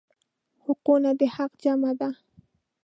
حقونه د حق جمع ده.